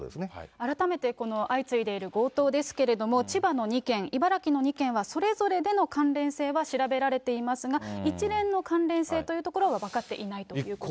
改めてこの相次いでいる強盗ですけれども、千葉の２件、茨城の２件は、それぞれでの関連性は調べられていますが、一連の関連性というところは分かっていないということです。